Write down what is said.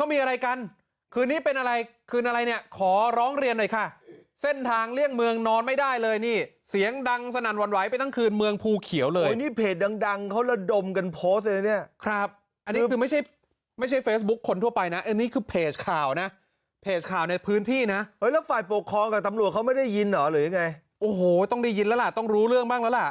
ก็มีอะไรกันคืนนี้เป็นอะไรคืนอะไรเนี่ยขอร้องเรียนหน่อยค่ะเส้นทางเลี่ยงเมืองนอนไม่ได้เลยนี่เสียงดังสนันวันไหวไปตั้งคืนเมืองพูเขียวเลยนี่เพจดังดังเขาละดมกันโพสต์เลยเนี่ยครับอันนี้คือไม่ใช่ไม่ใช่เฟซบุ๊กคนทั่วไปนะอันนี้คือเพจข่าวนะเพจข่าวในพื้นที่นะเฮ้ยแล้วฝ่ายปกครองกับตำรวจเขาไม่ได้ยินหรอหรื